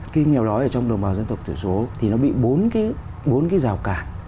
cái nghèo đó ở trong đồng bào dân tộc thiểu số thì nó bị bốn cái rào cản